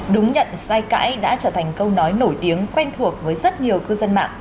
đúng nhận sai cãi đã trở thành câu nói nổi tiếng quen thuộc với rất nhiều cư dân mạng